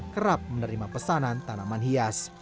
kerap menerima pesanan tanaman hias